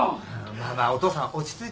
まあまあお父さん落ち着いてください。